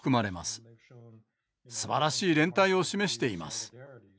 すばらしい連帯を示しています。